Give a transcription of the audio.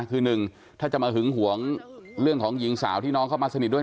คือหนึ่งถ้าจะมาหึงหวงเรื่องของหญิงสาวที่น้องเข้ามาสนิทด้วย